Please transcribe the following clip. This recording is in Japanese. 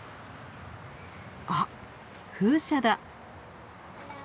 あっ風車だ！